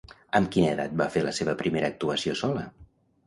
Amb quina edat va fer la seva primera actuació sola?